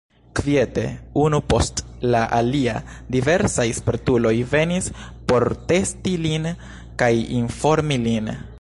Kviete, unu post la alia, diversaj spertuloj venis por testi lin kaj informi lin.